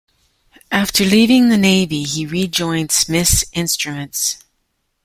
After leaving the Navy, he rejoined Smiths Instruments.